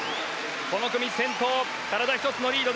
この組先頭、体１つのリード